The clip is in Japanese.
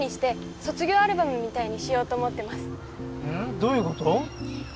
どういうこと？